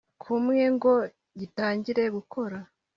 kumwe ngo gitangire gukora